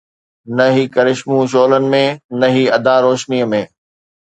نه هي ڪرشمو شعلن ۾، نه هي ادا روشنيءَ ۾